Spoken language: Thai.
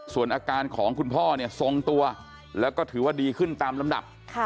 ส่วนอาการของคุณพ่อเนี่ยทรงตัวแล้วก็ถือว่าดีขึ้นตามลำดับ